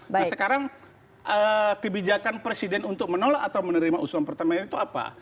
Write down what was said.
nah sekarang kebijakan presiden untuk menolak atau menerima usulan pertamina itu apa